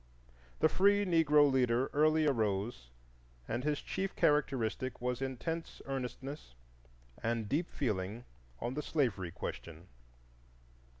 The free Negro leader early arose and his chief characteristic was intense earnestness and deep feeling on the slavery question.